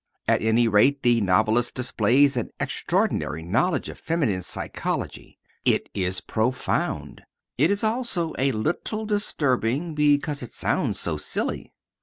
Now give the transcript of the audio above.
At any rate the novelist displays an extraordinary knowledge of feminine psychology. It is profound. It is also a little disturbing because it sounds so silly.